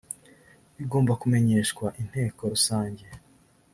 bigomba kumenyeshwa inteko rusange